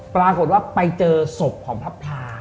ปรากฏว่าไปเจอศพของพระพลา